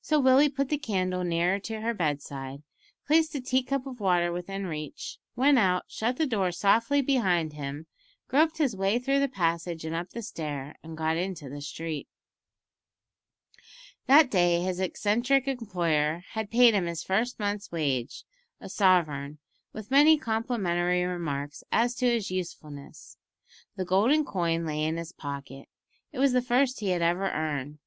So Willie put the candle nearer to her bedside, placed a tea cup of water within reach, went out, shut the door softly behind him, groped his way through the passage and up the stair, and got into the street. That day his eccentric employer had paid him his first month's wage, a sovereign, with many complimentary remarks as to his usefulness. The golden coin lay in his pocket. It was the first he had ever earned.